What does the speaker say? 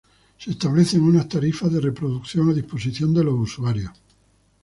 Se establecen unas tarifas de reproducción a disposición de los usuarios.